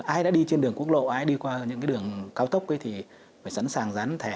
ai đã đi trên đường quốc lộ ai đi qua những cái đường cao tốc thì phải sẵn sàng gián thẻ